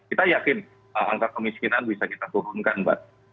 jadi yakin angka kemiskinan bisa kita turunkan mbak